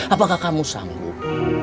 apakah kamu sanggup